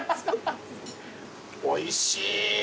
おいしい。